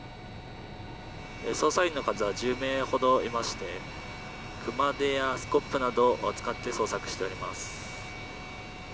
捜査員の方１０名ほどいまして熊手やスコップなどを使って捜索しております。